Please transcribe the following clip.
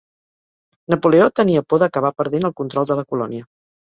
Napoleó tenia por d'acabar perdent el control de la colònia.